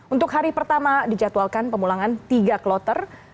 untuk hari pertama dijadwalkan pemulangan tiga kloter